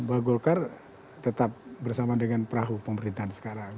bahwa golkar tetap bersama dengan perahu pemerintahan sekarang